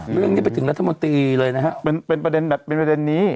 เรื่องนี้ไปถึงรัฐมนตรีเลยนะฮะเป็นประเด็นแบบเป็นประเด็นนี้